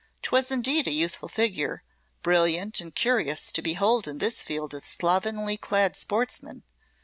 'Twas indeed a youthful figure, brilliant and curious to behold in this field of slovenly clad sportsmen.